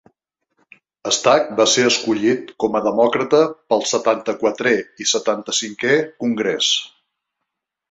Stack va ser escollit com a demòcrata pel setanta-quatrè i setanta-cinquè congrés.